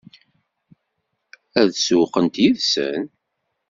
Ad sewweqent yid-sen?